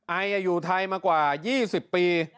ไออยู่ไทยมากว่า๒๐ปี